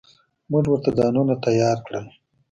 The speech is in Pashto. موږ ورته ځانونه تيار کړل.